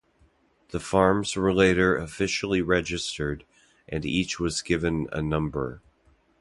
The farms were later officially registered and each was given a number.